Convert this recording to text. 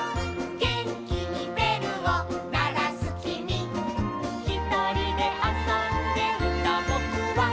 「げんきにべるをならすきみ」「ひとりであそんでいたぼくは」